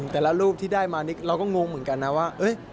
แต่ละรูปที่ได้มานี่เราก็งงเหมือนกันนะว่า